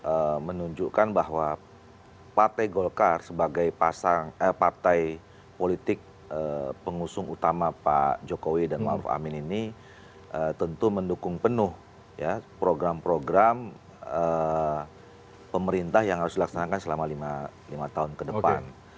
ini menunjukkan bahwa partai golkar sebagai partai politik pengusung utama pak jokowi dan ⁇ maruf ⁇ amin ini tentu mendukung penuh program program pemerintah yang harus dilaksanakan selama lima tahun ke depan